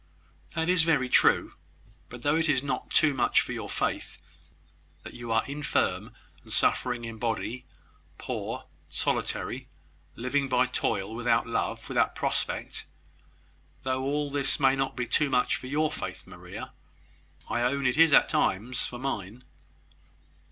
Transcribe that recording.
"That is very true. But though it is not too much for your faith, that you are infirm and suffering in body, poor, solitary, living by toil, without love, without prospect though all this may not be too much for your faith, Maria, I own it is at times for mine."